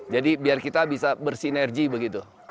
jadi biar kita bisa bersinergi begitu